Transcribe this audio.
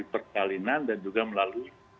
perkalinan dan juga melalui